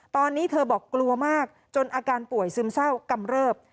ตอนนี้เธอบอกกลัวมากจนอาการป่วยซึมเศร้ากำเริบ